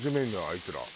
あいつら。